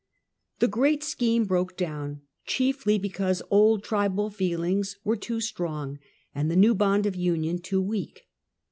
The great scheme broke down, chiefly because old tribal feelings were too strong and the new bond of union too weak.